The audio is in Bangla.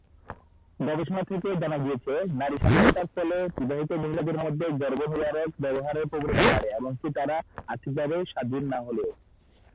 গবেষণা থেকে জানা গিয়েছে, নারী সাক্ষরতার ফলে বিবাহিত মহিলাদের মধ্যে গর্ভনিরোধক ব্যবহারের প্রবণতা বাড়ে, এমনকি তাঁরা আর্থিকভাবে স্বাধীন না হলেও।